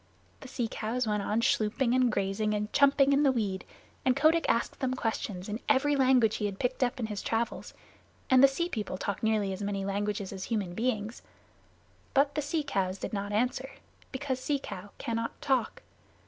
The sea cows went on schlooping and grazing and chumping in the weed, and Kotick asked them questions in every language that he had picked up in his travels; and the Sea People talk nearly as many languages as human beings. But the sea cows did not answer because Sea Cow cannot talk.